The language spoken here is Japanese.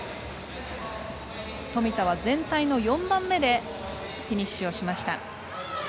富田は全体の４番目でフィニッシュしました。